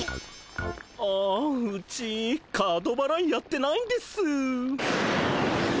あうちカードばらいやってないんです。